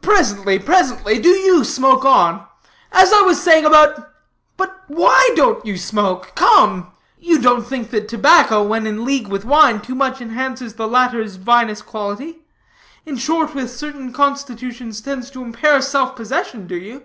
"Presently, presently, do you smoke on. As I was saying about " "But why don't you smoke come. You don't think that tobacco, when in league with wine, too much enhances the latter's vinous quality in short, with certain constitutions tends to impair self possession, do you?"